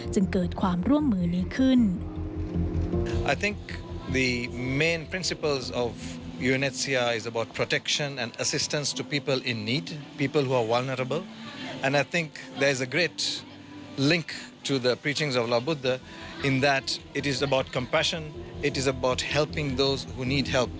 จึงเกิดความร่วมมือนี้ขึ้น